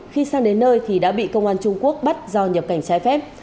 khi sang đến nơi thì đã bị công an trung quốc bắt do nhập cảnh trái phép